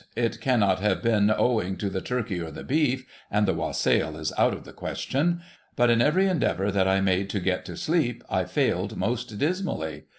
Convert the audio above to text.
It cannot have been owing to the turkey or the beef, — and the Wassail is out of the question, — but in every endeavour that I made to get to sleep I failed most dismally.